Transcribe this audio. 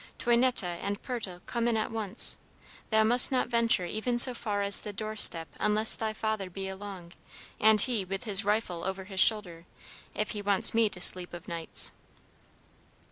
Toinette and Pertal, come in at once! Thou must not venture even so far as the doorstep unless thy father be along, and he with his rifle over his shoulder, if he wants me to sleep of nights."